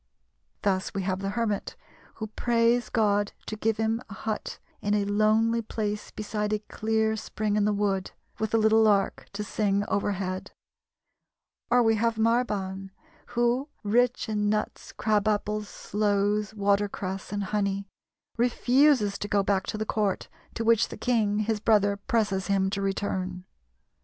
Thus we have the hermit who prays God to give him a hut in a lonely place beside a clear spring in the wood, with a little lark to sing overhead; or we have Marban, who, rich in nuts, crab apples, sloes, watercress, and honey, refuses to go back to the court to which the king, his brother, presses him to return.